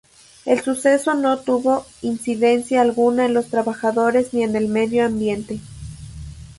El suceso no tuvo incidencia alguna en los trabajadores ni en el medio ambiente.